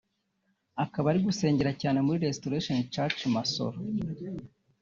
akaba ari gusengera cyane muri Restoration church Masoro